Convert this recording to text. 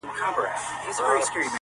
ورښكاره چي سي دښمن زړه يې لړزېږي!.